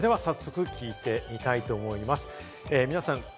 それでは早速、聞いてみたいと思います。